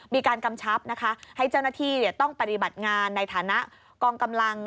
กำชับนะคะให้เจ้าหน้าที่ต้องปฏิบัติงานในฐานะกองกำลัง